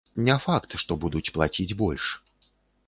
Не факт, што будуць плаціць больш.